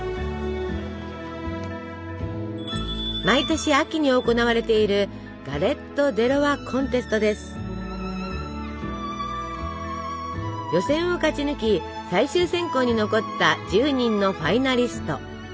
毎年秋に行われている予選を勝ち抜き最終選考に残った１０人のファイナリスト。